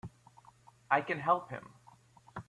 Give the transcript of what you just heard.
I can help him!